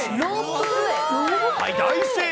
大正解。